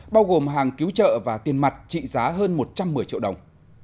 bao gồm hàng cứu trợ và tiền mặt trị giá hơn một trăm một mươi triệu đồng